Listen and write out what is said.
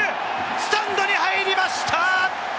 スタンドに入りました！